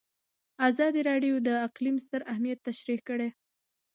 ازادي راډیو د اقلیم ستر اهميت تشریح کړی.